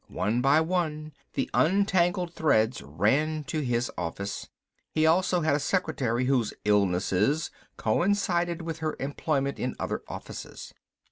One by one the untangled threads ran to this office. He also had a secretary whose "illnesses" coincided with her employment in other offices.